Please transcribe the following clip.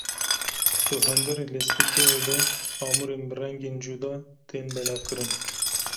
Di hundirê lîstikgehê de amûrên bi rengên cuda tên belavkirin.